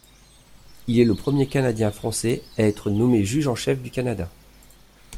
Il est le premier canadien-français à être nommé juge en chef du Canada.